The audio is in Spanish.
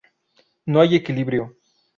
No hay equilibrio.